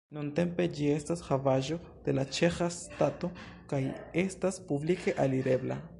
Nuntempe ĝi estas havaĵo de la ĉeĥa stato kaj estas publike alirebla.